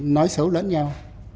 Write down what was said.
nói xấu lẫn nhau